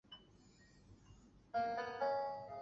她的父亲是广东茂名政协委员梁平。